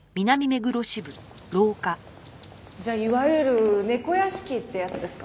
じゃあいわゆる猫屋敷ってやつですか？